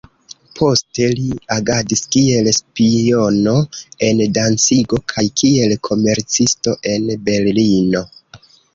Poste li agadis kiel spiono en Dancigo kaj kiel komercisto en Berlino.